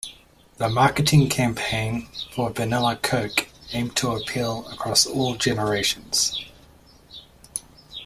The marketing campaign for Vanilla Coke aimed to appeal across all generations.